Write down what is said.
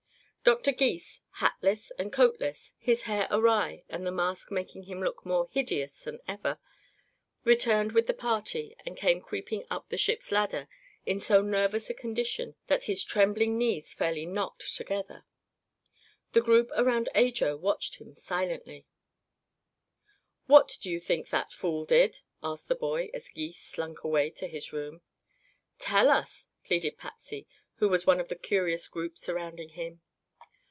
Doctor Gys, hatless and coatless, his hair awry and the mask making him look more hideous than ever, returned with the party and came creeping up the ship's ladder in so nervous a condition that his trembling knees fairly knocked together. The group around Ajo watched him silently. "What do you think that fool did?" asked the boy, as Gys slunk away to his room. "Tell us," pleaded Patsy, who was one of the curious group surrounding him.